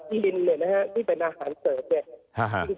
ลินเนี่ยนะฮะที่เป็นอาหารเสิร์ฟเนี่ย